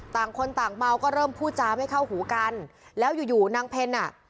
ต่างคนต่างเมาก็เริ่มพูดจาไม่เข้าหูกันแล้วอยู่อยู่นางเพ็ญอ่ะ